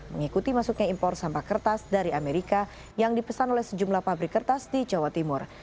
mengikuti masuknya impor sampah kertas dari amerika yang dipesan oleh sejumlah pabrik kertas di jawa timur